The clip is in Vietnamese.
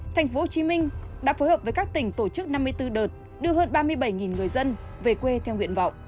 tp hcm đã phối hợp với các tỉnh tổ chức năm mươi bốn đợt đưa hơn ba mươi bảy người dân về quê theo nguyện vọng